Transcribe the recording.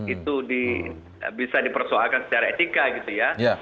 itu bisa dipersoalkan secara etika gitu ya